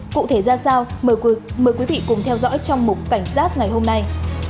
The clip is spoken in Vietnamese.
cụ thể ra sao mời quý vị cùng theo dõi trong mục cảnh giác ngày hôm nay